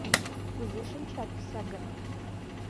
Кузе шинчат тÿса гын?